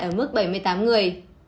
ở mức bảy mươi tám người